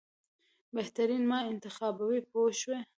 بهترین ما انتخابوي پوه شوې!.